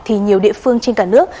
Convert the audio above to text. thì nhiều địa phương trên cả nước